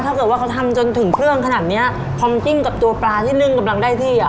ถ้าเกิดว่าเขาทำจนถึงเครื่องขนาดเนี้ยความจิ้มกับตัวปลาที่นึ่งกำลังได้ที่อ่ะ